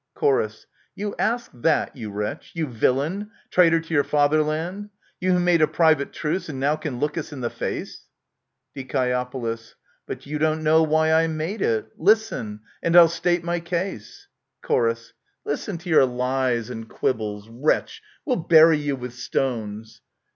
Chor. You ask that, you wretch, you villain ! traitor to your fatherland ! You who made a private truce and now can look us in the face ! Die. But you don't know why I made it. Listen, and I'll state my case. Chor. Listen to your lies and quibbles ? Wretch ! We'll bury you with stones